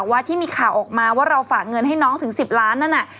ว่าที่มีข่าวออกมาว่าเราฝากเงินให้น้องถึง๑๐ล้านนั่นน่ะ